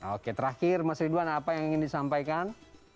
oke terakhir masih doang apa yang ingin disampaikan